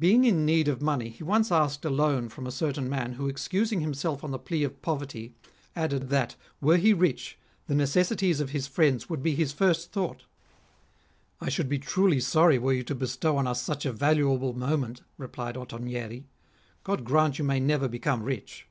Being in need of money, he once asked a loan from 138 REMARKABLE SAYINGS OP PHILIP OTTONIERI. a certain man, who, excusing himself on the plea of poverty, added that were he rich, the necessities of his friends would be his first thought. " I should be truly sorry were you to bestow on us such a valuable moment," replied Ottonieri :" God grant you may never become rich